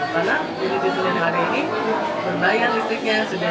karena ini di sini ada air ini berbayar listriknya sedang set seperti itu